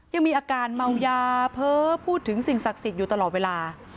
ยังมีอาการเมายาเพ้อพูดถึงสิ่งศักดิ์สิทธิ์อยู่ตลอดเวลา